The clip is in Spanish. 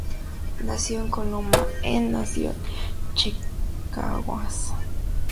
Nació en Oklahoma, en la Nación Chickasaw.